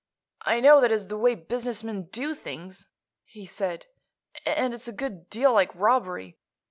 "I know that is the way business men do things," he said, "and it's a good deal like robbery.